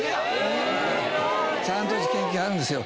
ちゃんとした研究があるんですよ。